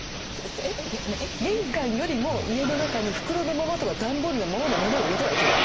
玄関よりも家の中に袋のままとか段ボールのままでモノを入れてはいけない。